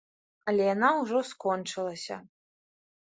Але яна ўжо скончылася.